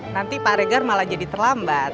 nanti pak regar malah jadi terlambat